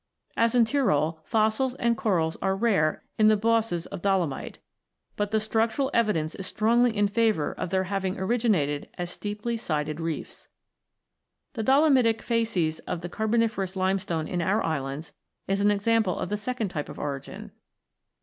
As in Tyrol, fossils and corals are rare in the bosses of dolomite, but the structural evidence is strongly in favour of their having originated as steeply sided reefs. The dolomitic facies of the Carboniferous limestone in our islands is an example of the second type of origin.